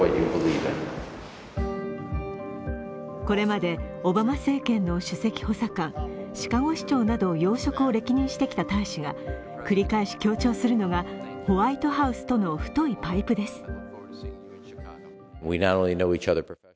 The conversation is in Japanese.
これまでオバマ政権の首席補佐官シカゴ市長など要職を歴任してきた大使が、繰り返し強調するのが、ホワイトハウスとの太いパイプです。